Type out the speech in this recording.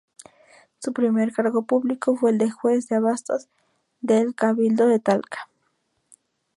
Su primer cargo público fue el de juez de abastos del cabildo de Talca.